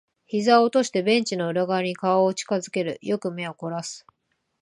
膝を落としてベンチの裏側に顔を近づける。よく目を凝らす。